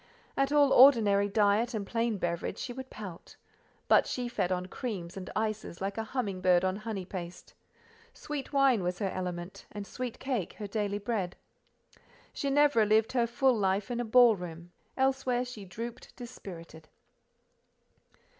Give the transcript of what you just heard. At all ordinary diet and plain beverage she would pout; but she fed on creams and ices like a humming bird on honey paste: sweet wine was her element, and sweet cake her daily bread. Ginevra lived her full life in a ball room; elsewhere she drooped dispirited.